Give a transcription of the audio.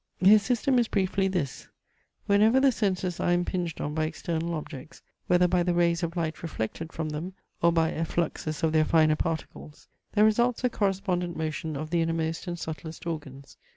His system is briefly this; whenever the senses are impinged on by external objects, whether by the rays of light reflected from them, or by effluxes of their finer particles, there results a correspondent motion of the innermost and subtlest organs.